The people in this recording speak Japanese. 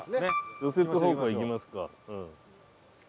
除雪方向行きますか。